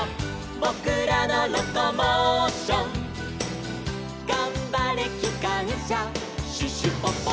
「ぼくらのロコモーション」「がんばれきかんしゃシュシュポポ」